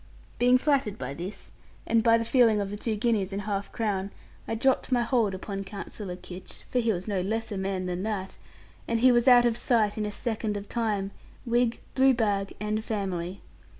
Being flattered by this, and by the feeling of the two guineas and half crown, I dropped my hold upon Counsellor Kitch (for he was no less a man than that), and he was out of sight in a second of time, wig, blue bag, and family.